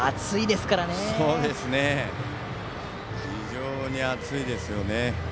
非常に暑いですよね。